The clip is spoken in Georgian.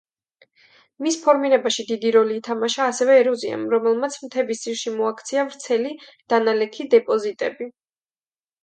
მის ფორმირებაში დიდი როლი ითამაშა ასევე ეროზიამ, რომელმაც მთების ძირში მოაქცია ვრცელი დანალექი დეპოზიტები.